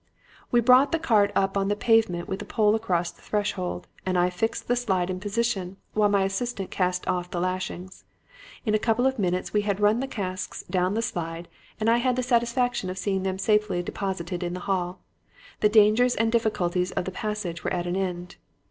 "We brought the cart up on the pavement with the pole across the threshold, and I fixed the slide in position while my assistant cast off the lashings. In a couple of minutes we had run the casks down the slide and I had the satisfaction of seeing them safely deposited in the hall. The dangers and difficulties of the passage were at an end.